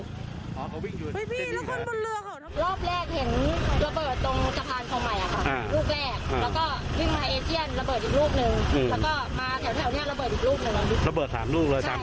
รอบแรกเห็นระเบิดตรงสะพานส่องใหม่ค่ะลูกแรก